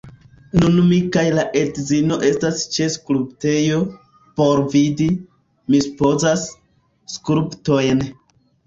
Nun mi kaj la edzino estas ĉe skulptejo, por vidi, mi supozas, skulptojn.